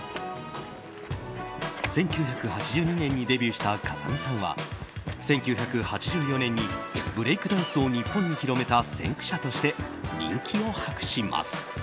１９８２年にデビューした風見さんは１９８４年にブレークダンスを日本に広めた先駆者として人気を博します。